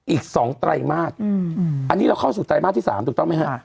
อีก๒ไตรมาสอันนี้เราเข้าสู่ไตรมาสที่๓ถูกต้องไหมฮะ